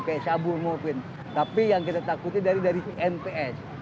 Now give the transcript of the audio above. kayak sabur mofin tapi yang kita takuti dari nps